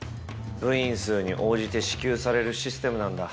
部員数に応じて支給されるシステムなんだ。